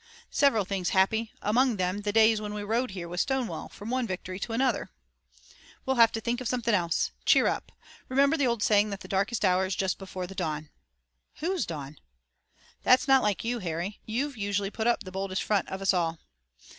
"Several things, Happy. Among them, the days when we rode here with Stonewall from one victory to another." "We'll have to think of something else. Cheer up. Remember the old saying that the darkest hour is just before the dawn." "Whose dawn?" "That's not like you, Harry. You've usually put up the boldest front of us all."